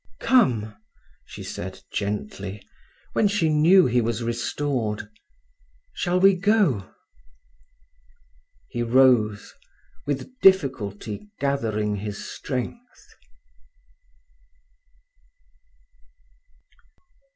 "Come," she said gently, when she knew he was restored. "Shall we go?" He rose, with difficulty gathering his strength.